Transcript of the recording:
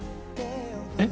えっ？